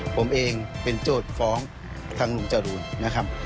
ผมเองเป็นโจทย์ฟ้องทางลุงจรูนนะครับ